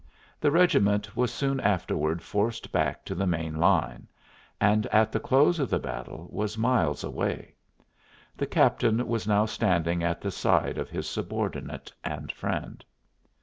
The regiment was soon afterward forced back to the main line, and at the close of the battle was miles away. The captain was now standing at the side of his subordinate and friend.